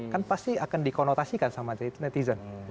kan pasti akan dikonotasikan sama netizen